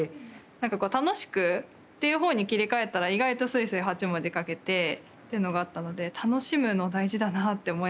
なんかこう楽しくっていうほうに切り替えたら意外とスイスイ８文字書けてというのがあったので楽しむの大事だなって思いながら。